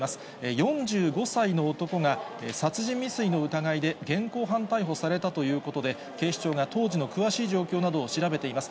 ４５歳の男が、殺人未遂の疑いで現行犯逮捕されたということで、警視庁が当時の詳しい状況などを調べています。